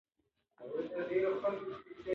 نړیوالې تجربې د مطالعې په واسطه ترویج کیږي.